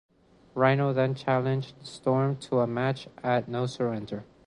Rhino then challenged Storm to a match at No Surrender.